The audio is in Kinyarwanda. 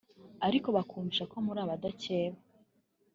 ariko bakumvisha ko muri abakeba